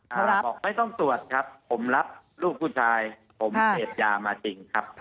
เอาล่ะบอกไม่ต้องตรวจครับผมรับลูกผู้ชายผมเสพยามาจริงครับ